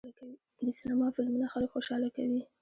د سینما فلمونه خلک خوشحاله کوي.